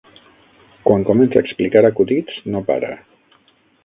Quan comença a explicar acudits, no para.